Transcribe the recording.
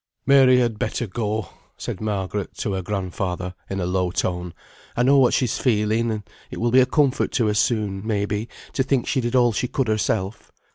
"Mary had better go," said Margaret to her grandfather, in a low tone, "I know what she's feeling, and it will be a comfort to her soon, may be, to think she did all she could herself.